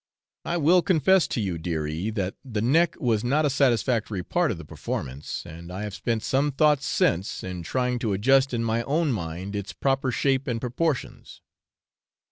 I will confess to you, dear E , that the neck was not a satisfactory part of the performance, and I have spent some thoughts since in trying to adjust in my own mind its proper shape and proportions.